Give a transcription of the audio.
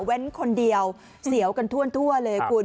แว่นคนเดียวเสียวกันท่วนทั่วเลยคุณ